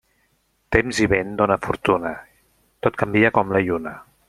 Temps i vent, dona i fortuna, tot canvia com la lluna.